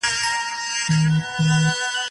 اوس يې نه راوړي رويبار د ديدن زېرئ